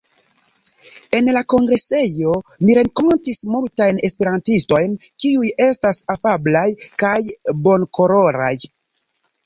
En la kongresejo mi renkontis multajn esperantistojn, kiuj estas afablaj kaj bonkoraj.